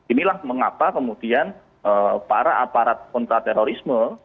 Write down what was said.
inilah mengapa kemudian para aparat kontraterorisme